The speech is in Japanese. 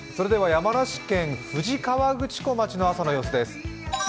山梨県富士河口湖町の朝の様子です。